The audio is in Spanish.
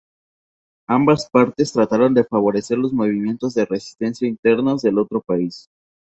Ambas partes trataron de favorecer los movimientos de resistencia internos del otro país.